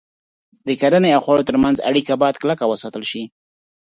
د کرنې او خوړو تر منځ اړیکه باید کلکه وساتل شي.